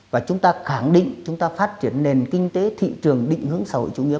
và chúng ta khẳng định chúng ta phát triển nền kinh tế thị trường định hướng xã hội chủ nghĩa